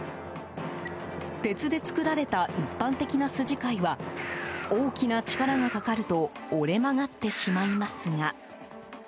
鉄で作られた一般的な筋交いは大きな力がかかると折れ曲がってしまいますが。